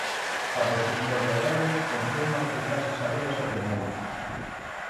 Para os historiadores, confirma o que xa se sabía sobre Meirás.